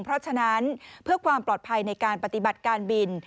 เพราะฉะนั้นเพื่อความปลอดภัยในการปฏิบัติการบิน